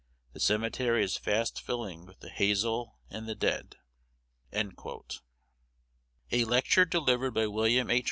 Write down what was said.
The cemetery is fast filling with the hazel and the dead." A lecture delivered by William H.